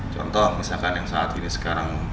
contoh misalkan yang saat ini sekarang